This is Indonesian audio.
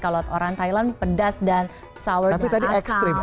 kalau orang thailand pedas dan sour dan asam